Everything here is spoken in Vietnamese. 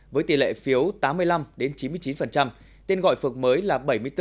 với tỷ lệ phiếu tám mươi năm chín mươi chín tên gọi phường mới là bảy mươi bốn chín mươi chín